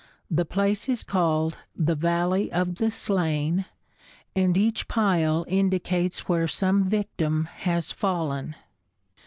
The place is called the valley of the slain, and each pile indicates where some victim has fallen.